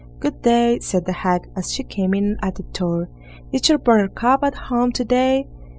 "Good day!" said the hag, as she came in at the door; "is your Buttercup at home to day?"